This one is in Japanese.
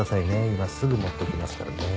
今すぐ持ってきますからね。